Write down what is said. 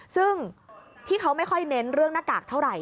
ซึ่งที่เขาไม่ค่อยเน้นเรื่องหน้ากากเท่าไหร